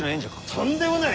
とんでもない！